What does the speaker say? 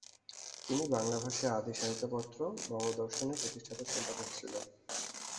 তিনি বাংলা ভাষার আদি সাহিত্যপত্র বঙ্গদর্শনের প্রতিষ্ঠাতা সম্পাদক ছিলেন।